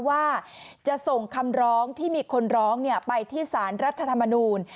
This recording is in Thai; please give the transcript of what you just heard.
ว่าจะส่งคำร้องที่มีคนร้องไปที่สารรัฐธรรมนูล